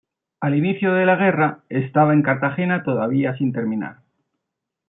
Al inicio de la guerra estaba en Cartagena todavía sin terminar.